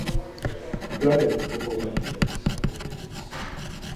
gale oǩobaǩidat.